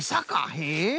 へえ。